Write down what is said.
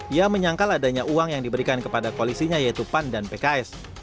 ia menyangkal adanya uang yang diberikan kepada koalisinya yaitu pan dan pks